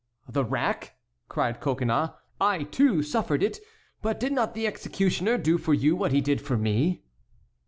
"The rack!" cried Coconnas, "I, too, suffered it, but did not the executioner do for you what he did for me?"